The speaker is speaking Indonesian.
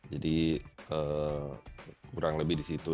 jadi kurang lebih di situ